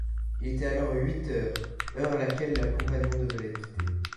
Il était alors huit heures, — heure à laquelle leur compagnon devait les quitter.